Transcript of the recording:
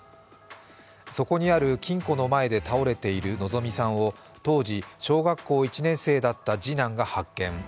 そこにある金庫の前で倒れている希美さんを当時、小学校一年生だった次男が発見。